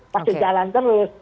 masih jalan terus